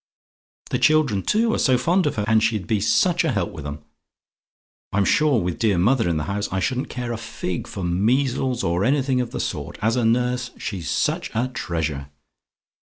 "The children, too, are so fond of her! And she'd be such a help to me with 'em! I'm sure, with dear mother in the house, I shouldn't care a fig for measles, or anything of the sort. As a nurse, she's such a treasure!